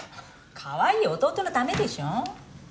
かわいい弟のためでしょ。